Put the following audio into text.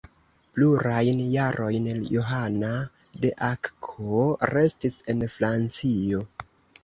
Plurajn jarojn Johana de Akko restis en Francio.